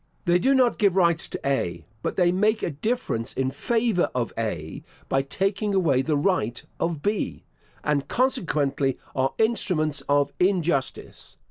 They do not give rights to A, but they make a difference in favour of A by taking away the right of B, and consequently are instruments of injustice.